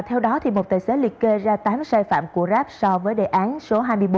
theo đó một tài xế liệt kê ra tám sai phạm của grab so với đề án số hai mươi bốn